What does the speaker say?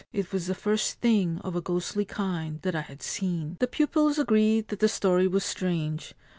It was the first thing of a ghostly kind that I had seen.' The pupils agreed that the story was strange.